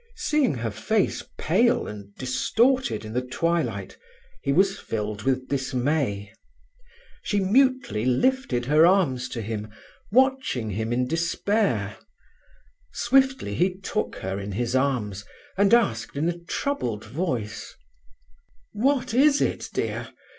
Seeing her face pale and distorted in the twilight, he was filled with dismay. She mutely lifted her arms to him, watching him in despair. Swiftly he took her in his arms, and asked in a troubled voice: "What is it, dear?